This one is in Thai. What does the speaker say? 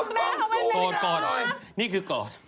กระป๋องสู้นะก่อน